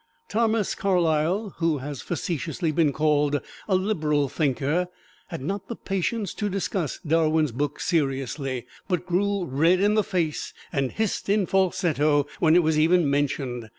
Thomas Carlyle, who has facetiously been called a liberal thinker, had not the patience to discuss Darwin's book seriously, but grew red in the face and hissed in falsetto when it was even mentioned.